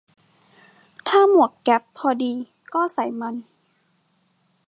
ถ้าหมวกแก๊ปพอดี ก็ใส่มัน